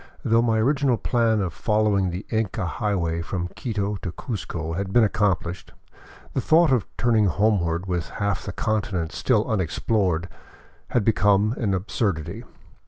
Though my original plan of following the Inca highway from Quito to Cuzco had been accomplished, the thought of turning home ward with half the continent still unexplored had become an absurdity.